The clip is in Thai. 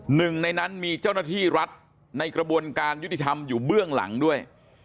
หนึ่งในนั้นมีเจ้าหน้าที่รัฐในกระบวนการยุติธรรมอยู่เบื้องหลังด้วย